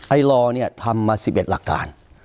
ไอลอร์ทำมา๑๑หลักการ